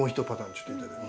ちょっといただいて。